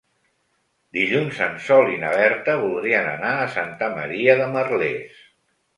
Dilluns en Sol i na Berta voldrien anar a Santa Maria de Merlès.